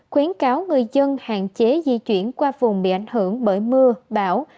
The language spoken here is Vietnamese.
khuyến cáo người dân hạn chế di chuyển qua vùng bị ảnh hưởng bởi mưa bão